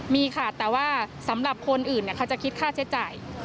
มีค่ะแต่ว่าสำหรับคนอื่นเขาจะคิดค่าใช้จ่าย